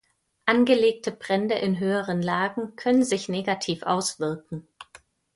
Angelegte Brände in höheren Lagen können sich negativ auswirken.